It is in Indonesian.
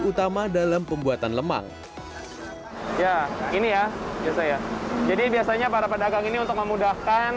utama dalam pembuatan lemang ya ini ya biasa ya jadi biasanya para pedagang ini untuk memudahkan